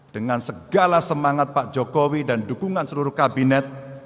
dengan segala semangat pak jokowi dan dukungan seluruh kabinet